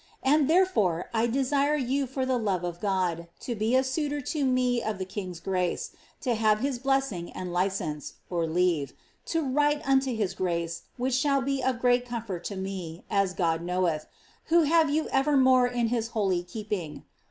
And therefore I dectire you for tlie love of God to be a suitor to me of the king's grace, to have his blessing and lieente (leave) to write unto his grace which shall be of great comfort to me, as God knoweth, who have you evermore in his holy keeping.